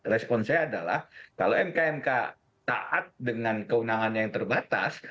responsnya adalah kalau mk mk taat dengan keundangannya yang terbatas